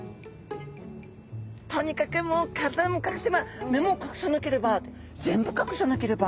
とにかくもう体も隠せば目も隠さなければ全部隠さなければ！